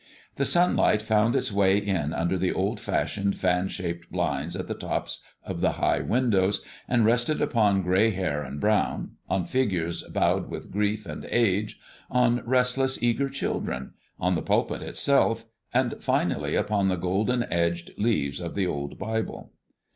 The sunlight found its way in under the old fashioned fan shaped blinds at the tops of the high windows, and rested upon gray hair and brown, on figures bowed with grief and age, on restless, eager children, on the pulpit itself, and finally upon the golden edged leaves of the old Bible.